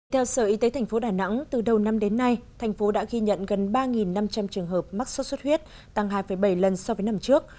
theo sở y tế tp đà nẵng từ đầu năm đến nay thành phố đã ghi nhận gần ba năm trăm linh trường hợp mắc sốt xuất huyết tăng hai bảy lần so với năm trước